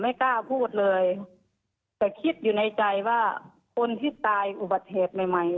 ไม่กล้าพูดเลยแต่คิดอยู่ในใจว่าคนที่ตายอุบัติเหตุใหม่ใหม่